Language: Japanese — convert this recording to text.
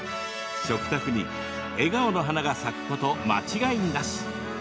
食卓に笑顔の花が咲くこと間違いなし。